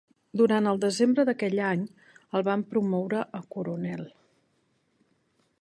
Durant el desembre d'aquell any, el van promoure a coronel.